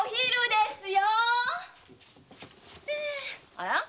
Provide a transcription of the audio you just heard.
あら？